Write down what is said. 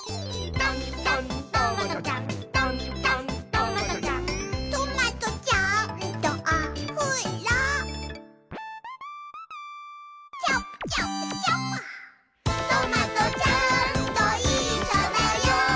「とんとんトマトちゃん」「とんとんトマトちゃん」「トマトちゃんとおふろチャプ・チャプ・チャプ」「トマトちゃんといっしょだよ」